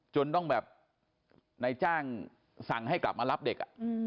จนต้องแบบนายจ้างสั่งให้กลับมารับเด็ก